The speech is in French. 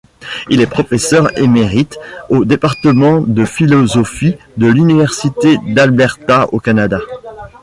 Il est professeur émérite au Département de philosophie de l'Université d'Alberta au Canada.